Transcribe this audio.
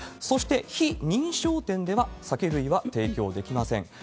そして非認証店では、酒類は提供できません。